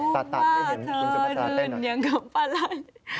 กว่าจะรู้ว่าเธอลื่นอย่างกังว่าวไปไหล